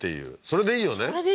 それでいいよね